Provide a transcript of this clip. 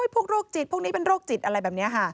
โรคจิตพวกนี้เป็นโรคจิตอะไรแบบนี้ค่ะ